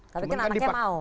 tapi kan anaknya mau